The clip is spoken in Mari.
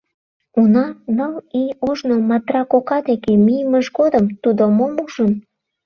Уна, ныл ий ожно Матра кока деке миймыж годым тудо мом ужын?